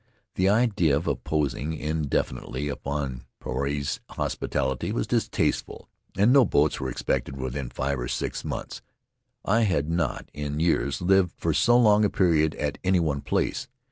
The idea of imposing indefinitely upon Puarei's hospitality was distasteful, and no boats were expected within five or six months. I had not, in years, lived for so long a period at any one place.